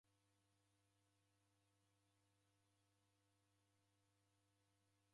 Naw'aria kurwa nicha.